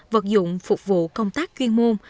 vật dụng phục vụ công tác chuyên môn như